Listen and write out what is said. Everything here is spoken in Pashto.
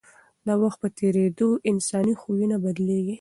د وخت په تېرېدو انساني خویونه بدلېږي.